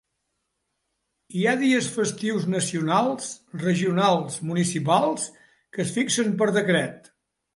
Hi ha dies festius nacionals, regionals, municipals que es fixen per decret.